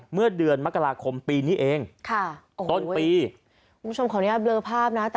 เมื่อเดือนมกราคมปีนี้เองต้นปีคุณผู้ชมของเนี่ยเบลอภาพนะ